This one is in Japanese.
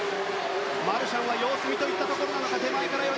マルシャンは様子見といったところなのか。